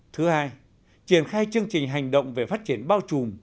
thứ hai triển khai chương trình hành động về phát triển bao trùm